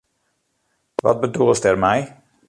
Wat bedoelst dêrmei?